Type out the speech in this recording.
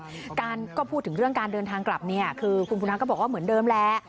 การก็พูดถึงเรื่องการเดินทางกลับเนี่ยคือคุณคุณทักก็บอกว่าเหมือนเดิมแหละ